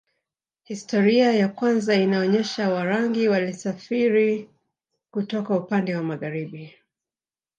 Historia ya kwanza inaonyesha Warangi walisafiri kutoka upande wa magharibi